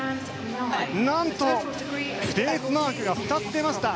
何と、ベースマークが２つ出ました。